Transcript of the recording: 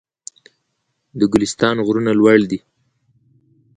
د ګلستان غرونه لوړ دي